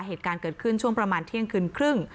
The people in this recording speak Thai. เหตุการณ์เกิดขึ้นช่วงประมาณเที่ยงคืนครึ่ง